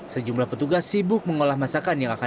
sejumlah petugas sibuk mengolah masakan yang akan